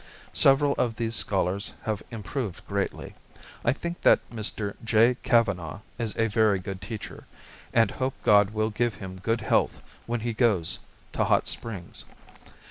Several of these scholars have improved greatly. I think that Mr. J. Kavanagh is a very good teacher, and hope God will give him good health when he goes to Hot Springs.